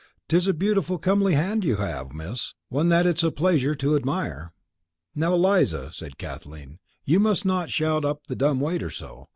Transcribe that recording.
"'Tis a beautiful comely hand you have, miss, one that it's a pleasure to admire." "Now, Eliza," said Kathleen, "you must not shout up the dumb waiter so.